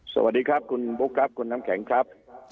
สวัสดีครับคุณบุ๊คครับคุณน้ำแข็งครับ